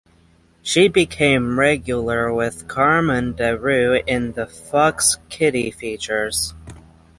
She became regular with Carmen De Rue in the Fox Kiddie Features.